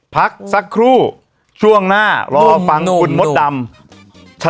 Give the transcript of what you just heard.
พักสักครู่ช่วงหน้ารอฟังคุณมดดำ